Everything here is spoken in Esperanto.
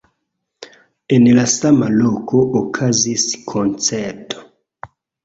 En la sama loko okazis koncerto.